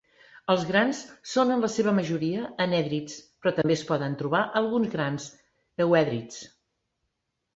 Els grans són en la seva majoria anèdrics, però també es poden trobar alguns grans euèdrics.